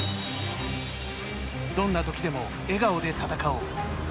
「どんなときでも笑顔で戦おう」